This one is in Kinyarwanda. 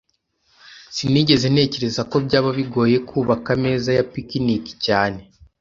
Sinigeze ntekereza ko byaba bigoye kubaka ameza ya picnic cyane